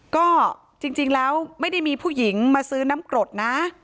ก็จริงแล้วไม่ได้มีผู้หญิงมาซื้อน้ำกรดนะ